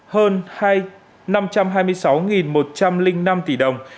hơn năm trăm hai mươi sáu một trăm linh năm tỷ đồng